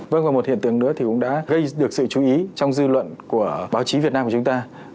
vâng một hiện tượng nữa thì cũng đã gây được sự chú ý trong dư luận của báo chí việt nam của chúng ta